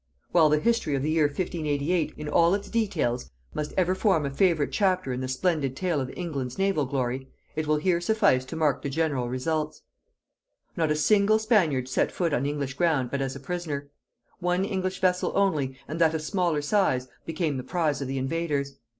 While the history of the year 1588 in all its details must ever form a favorite chapter in the splendid tale of England's naval glory, it will here suffice to mark the general results. Not a single Spaniard set foot on English ground but as a prisoner; one English vessel only, and that of smaller size, became the prize of the invaders.